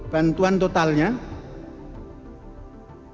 bantuan totalnya empat puluh tiga m